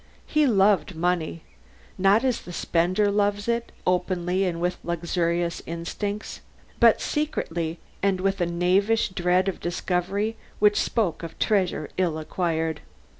He loved money, not as the spender loves it, openly and with luxurious instincts, but secretly and with a knavish dread of discovery which spoke of treasure ill acquired.